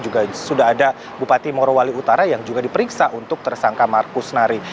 juga sudah ada bupati morowali utara yang juga diperiksa untuk tersangka markus nari